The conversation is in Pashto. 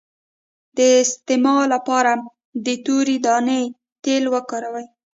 د استما لپاره د تورې دانې تېل وکاروئ